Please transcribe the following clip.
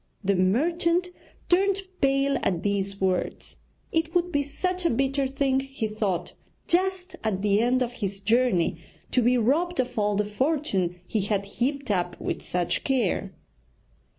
The merchant turned pale at these words. It would be such a bitter thing, he thought, just at the end of his journey to be robbed of all the fortune he had heaped up with such care.